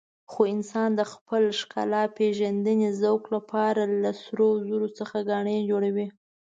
خو انسان د خپل ښکلاپېژندنې ذوق لپاره له سرو زرو څخه ګاڼې جوړوي.